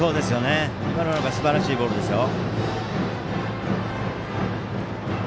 今のなんかすばらしいボールですよ。